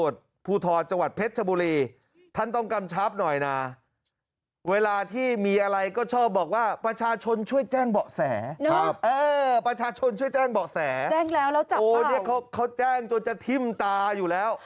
ช่วยแจ้งเบาะแสนะครับประชาชนช่วยแจ้งเบาะแสนะครับโอ้นี่เขาแจ้งจนจะทิ้มตาอยู่แล้ว